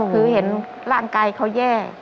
คือเห็นร่างกายเขาแย่